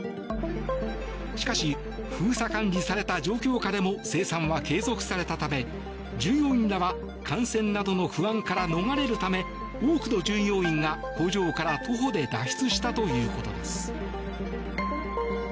しかし、封鎖管理された状況下でも生産は継続されたため従業員らは感染などの不安から逃れるため多くの従業員が工場から徒歩で脱出したということです。